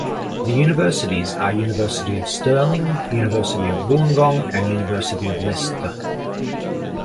The universities are University of Stirling, University of Wollongong, and University of Leicester.